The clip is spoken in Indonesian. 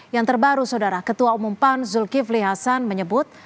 yang terbaru saudara ketua umum pan zulkifli hasan menyebut